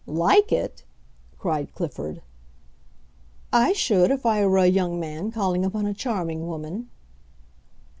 "Like it!" cried Clifford. "I should, if I were a young man calling upon a charming woman."